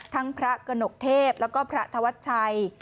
พระกระหนกเทพแล้วก็พระธวัชชัย